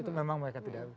itu memang mereka tidak